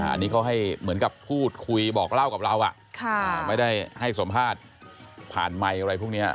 อันนี้เขาให้เหมือนกับพูดคุยบอกเล่ากับเราไม่ได้ให้สัมภาษณ์ผ่านไมค์อะไรพวกนี้